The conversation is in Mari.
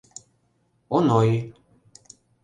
Оной.